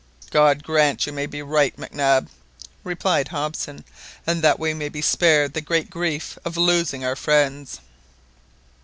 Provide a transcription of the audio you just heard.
"God grant you may be right, Mac Nab," replied Hobson, "and that we may be spared the great grief of losing our friends!"